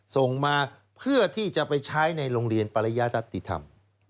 ส่งมาเพื่อที่จะไปใช้ในโรงเรียนปริยัตติธรรม